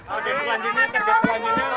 oke selanjutnya target selanjutnya